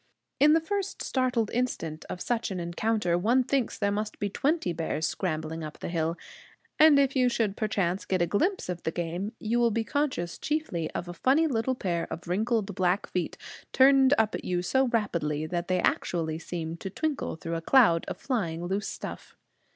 In the first startled instant of such an encounter, one thinks there must be twenty bears scrambling up the hill. And if you should perchance get a glimpse of the game, you will be conscious chiefly of a funny little pair of wrinkled black feet, turned up at you so rapidly that they actually seem to twinkle through a cloud of flying loose stuff.